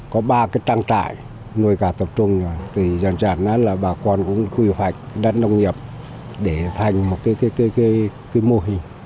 có ba trang trại nôi cả tập trung dần dần bà con cũng quy hoạch đất nông nghiệp để thành một mô hình